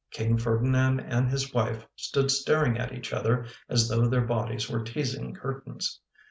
King Ferdinand and his wife stood staring at each other as though their bodies were teasing curtains.